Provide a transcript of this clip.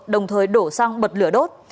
đồng thời đổ sang bật lửa đốt